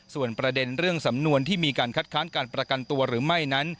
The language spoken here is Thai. ส่วนประเด็นเรื่องสำนวนที่มีการคัดค้านการประกันตัวหรือไม่นั้น